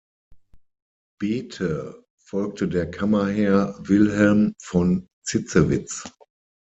Bethe folgte der Kammerherr Wilhelm von Zitzewitz.